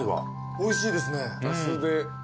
おいしいですね。